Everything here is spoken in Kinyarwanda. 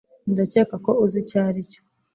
ndakeka ko uzi icyo aricyo